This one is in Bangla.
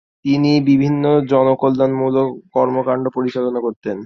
তিনি বিভিন্ন জনকল্যাণমুলক কর্মকাণ্ড পরিচালনা করতেন।